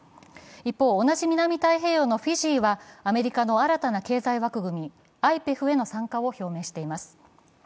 一方、同じ南太平洋のフィジーはアメリカの新たな経済枠組み、ＩＰＥＦへの参加を表明しています。